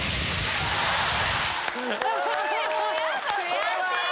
悔しい！